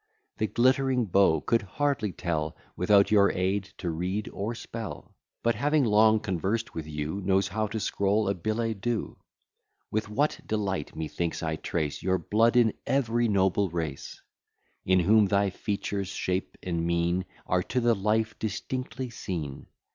The glittering beau could hardly tell, Without your aid, to read or spell; But, having long conversed with you, Knows how to scroll a billet doux. With what delight, methinks, I trace Your blood in every noble race! In whom thy features, shape, and mien, Are to the life distinctly seen!